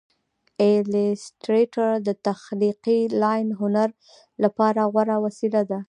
ایلیسټریټر د تخلیقي لاین هنر لپاره غوره وسیله ده.